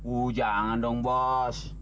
uh jangan dong bos